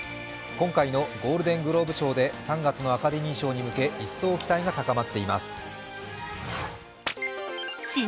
今回のゴールデングローブ賞で３月のアカデミー賞に向け一層、期待が高まっています。